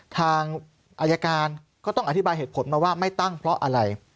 ทางอายการก็ต้องอธิบายเหตุผลมาว่าไม่ตั้งเพราะอะไร